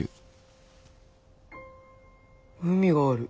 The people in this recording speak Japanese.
海がある。